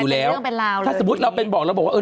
แล้วเรื่องเป็นราวถ้าสมมุติเราเป็นบอกเราบอกว่าเออ